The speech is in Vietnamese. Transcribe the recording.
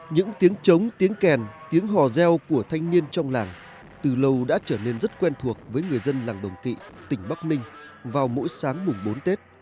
những tiếng trống tiếng kèn tiếng hò reo của thanh niên trong làng từ lâu đã trở nên rất quen thuộc với người dân làng đồng kỵ tỉnh bắc ninh vào mỗi sáng mùng bốn tết